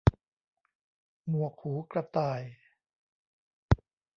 หมวกหูกระต่าย